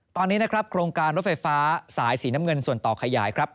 ตอนนี้นะครับโครงการรถไฟฟ้าสายสีน้ำเงินส่วนต่อขยายครับ